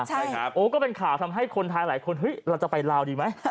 ใช่ครับโอ้ก็เป็นข่าวทำให้คนไทยหลายคนเฮ้ยเราจะไปลาวดีไหม